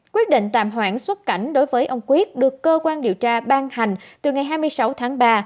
quyết định tạm hoãn xuất cảnh đối với ông quyết được cơ quan điều tra ban hành từ ngày hai mươi sáu tháng ba